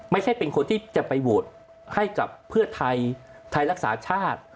ไม่ใช่เป็นคนที่จะไปโหวตให้กับเพื่อไทยไทยรักษาชาติ